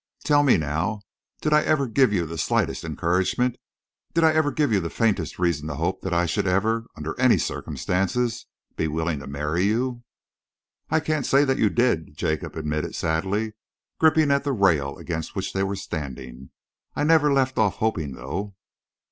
Tell me now, did I ever give you the slightest encouragement? Did I ever give you the faintest reason to hope that I should ever, under any circumstances, be willing to marry you?" "I can't say that you did," Jacob admitted sadly, gripping at the rail against which they were standing. "I never left off hoping, though."